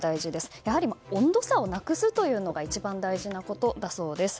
やはり温度差をなくすというのが一番大事なことだそうです。